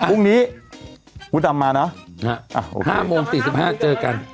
พรุ่งนี้พูดตามมานะครับโอเคครับ๕โมง๔๕เจอกัน